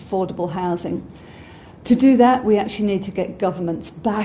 untuk melakukannya kita harus mendapatkan pemerintah